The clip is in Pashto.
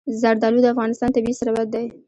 زردالو د افغانستان طبعي ثروت دی.